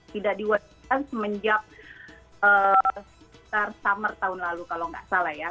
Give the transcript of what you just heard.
tidak diharuskan semenjak summer tahun lalu kalau gak salah ya